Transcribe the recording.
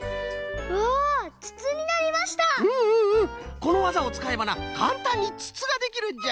このわざをつかえばなかんたんにつつができるんじゃ！